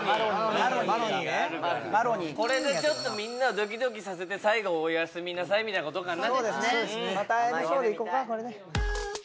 マロニーがあるからこれでちょっとみんなをドキドキさせて最後おやすみなさいみたいなことかな